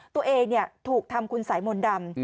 ตัวเองถูกทำคุณสายมนต์ดำ